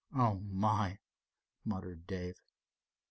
Oh, my!" muttered Dave.